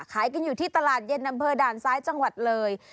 ขายกันอยู่ที่ตลาดเย็นอำเภอด่านซ้ายจังหวัดเลย